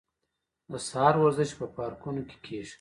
د سهار ورزش په پارکونو کې کیږي.